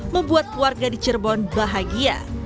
membuat warga di cirebon bahagia